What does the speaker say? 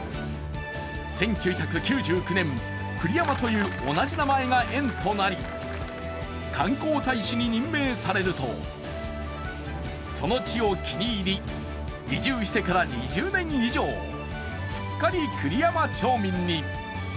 １９９９年、栗山という同じ名前が縁となり観光大使に任命されるとその地を気に入り移住してから２０年以上、すっかり栗山町民に。